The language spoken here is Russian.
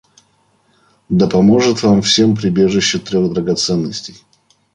Да поможет вам всем прибежище трех драгоценностей!